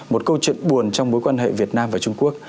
một câu chuyện buồn trong mối quan hệ việt nam và trung quốc